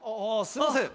すいません。